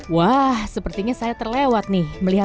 wah sepertinya saya terlewat nih